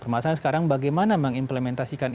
masalah sekarang bagaimana mengimplementasikan